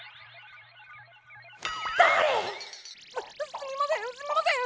誰⁉すすみませんすみません！